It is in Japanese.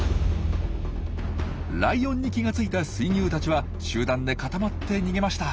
ライオンに気が付いたスイギュウたちは集団でかたまって逃げました。